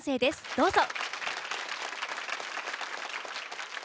どうぞ。